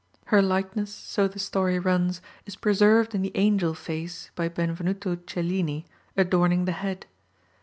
Her likeness, so the story runs, is preserved in the angel face, by Benevenuto Cellini, adorning the head.